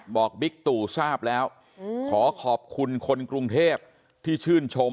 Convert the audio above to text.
บิ๊กตู่ทราบแล้วขอขอบคุณคนกรุงเทพที่ชื่นชม